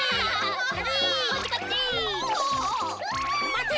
まて！